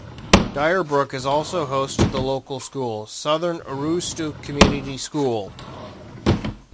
Dyer Brook is also host to the local school, Southern Aroostook Community School.